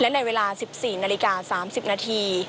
และในเวลา๑๔นาฬิกา๓๐นาที